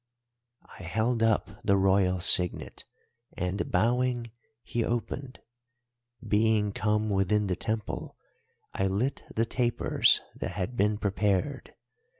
"I held up the Royal signet, and, bowing, he opened. Being come within the Temple I lit the tapers that had been prepared.